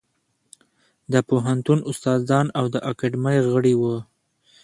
د پوهنتون استادان او د اکاډمۍ غړي وو.